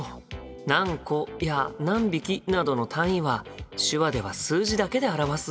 何個や何匹などの単位は手話では数字だけで表すんだ。